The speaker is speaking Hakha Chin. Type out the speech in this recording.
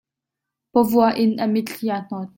Pawvuah in a mitthli aa hnawt.